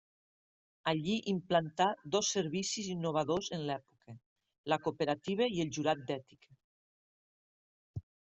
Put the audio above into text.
Allí implantà dos servicis innovadors en l'època: la cooperativa i el jurat d'ètica.